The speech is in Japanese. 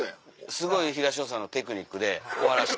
すごい東野さんのテクニックで終わらした。